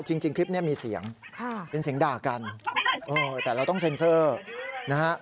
จริงคลิปนี้มีเสียงเป็นเสียงด่ากันเออแต่เราต้องเซ็นเซอร์นะฮะ